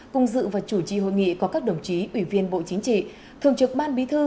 cùng dự và chủ trì hội nghị có các đồng chí ủy viên bộ chính trị thường trực ban bí thư